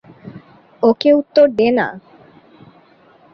ওকে উত্তর দে না!